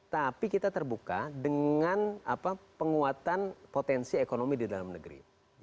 tapi kita terbuka dengan penguatan potensi ekonomi di dalam negeri